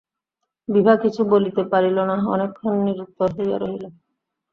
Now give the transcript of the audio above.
বিভা কিছু বলিতে পারিল না, অনেকক্ষণ নিরুত্তর হইয়া রহিল।